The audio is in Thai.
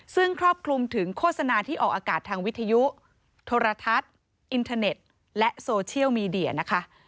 ซึ่งครอบคลุมถึงโฆษณาที่ออกอากาศทางวิทยุโทรทัศน์อินเทอร์เน็ตและโซเชียลมีเดียนะคะ